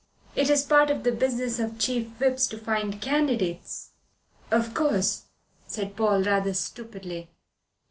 It is part of the business of Chief Whips to find candidates. "Of course," said Paul, rather stupidly.